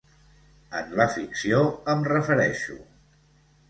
En la ficció, em refereixo.